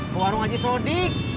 ke warung haji sodik